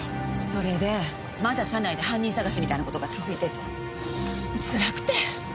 それでまだ社内で犯人探しみたいな事が続いててつらくて。